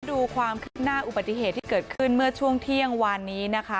ดูความคืบหน้าอุบัติเหตุที่เกิดขึ้นเมื่อช่วงเที่ยงวานนี้นะคะ